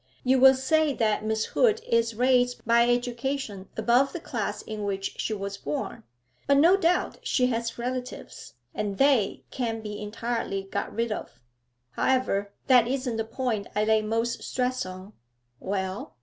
You will say that Miss Hood is raised by education above the class in which she was born; but no doubt she has relatives, and they can't be entirely got rid of. However, that isn't the point I lay most stress on.' 'Well?'